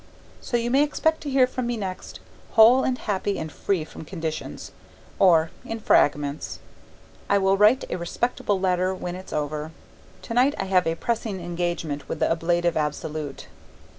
So you may expect to hear from me next, whole and happy and free from conditions, or in fragments. I will write a respectable letter when it's over. Tonight I have a pressing engagement with the Ablative Absolute.